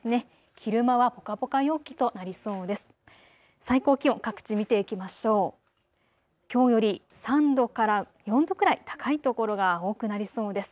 昼間はぽかぽか陽気となりそうです。